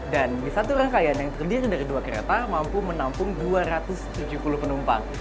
dan di satu rangkaian yang terdiri dari dua kereta mampu menampung dua ratus tujuh puluh penumpang